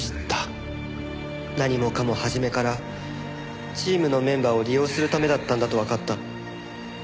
何もかも初めからチームのメンバーを利用するためだったんだとわかった。